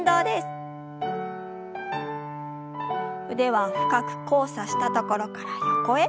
腕は深く交差したところから横へ。